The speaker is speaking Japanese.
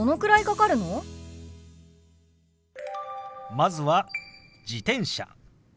まずは「自転車」。